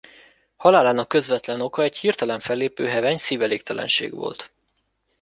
Halálának közvetlen oka egy hirtelen fellépő heveny szívelégtelenség volt.